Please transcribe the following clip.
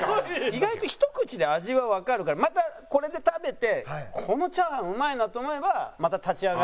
意外とひと口で味はわかるからまたこれで食べてこのチャーハンうまいなと思えばまた立ち上がるんで。